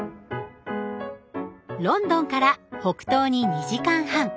ロンドンから北東に２時間半。